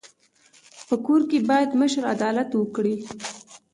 په کور کي بايد مشر عدالت وکړي.